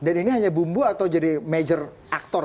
dan ini hanya bumbu atau jadi major aktor